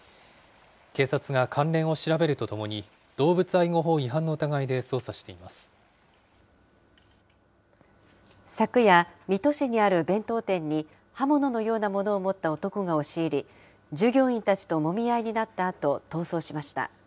警察が関連を調べるとともに、動物愛護法違反の疑いで捜査してい昨夜、水戸市にある弁当店に刃物のようなものを持った男が押し入り、従業員たちともみ合いになったあと、逃走しました。